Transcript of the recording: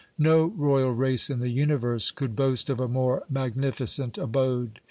No royal race in the universe could boast of a more magnificent abode.